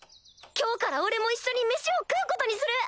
今日から俺も一緒に飯を食うことにする！